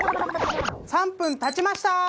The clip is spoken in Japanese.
３分経ちました！